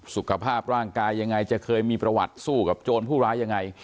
สุขภาพร่างกายยังไงจะเคยมีประวัติสู้กับโจรผู้ร้ายยังไง